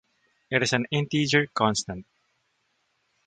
it is an integer constant